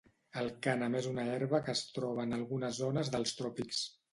El cànem és una herba que es troba en algunes zones dels tròpics.